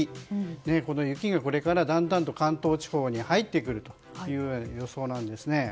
この雪がこれからだんだんと関東地方に入ってくる予想なんですね。